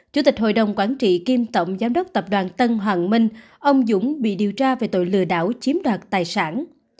chủ tịch hội đồng quản trị kiêm tổng giám đốc tập đoàn tân hoàng minh ông dũng bị điều tra về tội lừa đảo chiếm đoạt tài sản